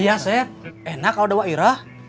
iya seth enak kalau ada wa'ira